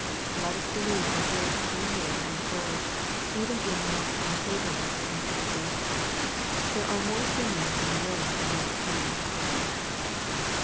Let us helieve that grace can live and flourish, even in the most unfavorable circumstances. There are more Simeons in the world than we suppose.